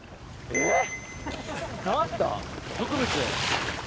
えっ！